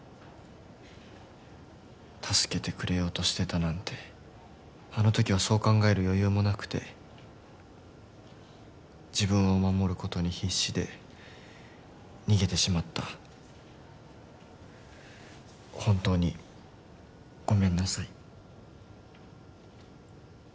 助けてくれようとしてたなんてあのときはそう考える余裕もなくて自分を守ることに必死で逃げてしまった本当にごめんなさい